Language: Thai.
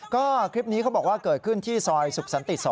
ก็คลิปนี้เขาบอกว่าเกิดขึ้นที่ซอยสุขสันติ๒